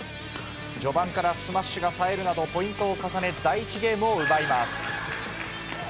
序盤からスマッシュがさえるなどポイントを重ね、第１ゲームを奪います。